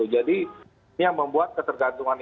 jadi ini yang membuat ketergantungan